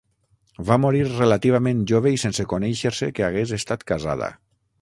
Va morir relativament jove i sense conèixer-se que hagués estat casada.